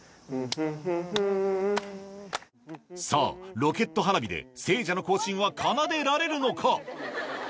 フフフフさぁロケット花火で『聖者の行進』は奏でられるのか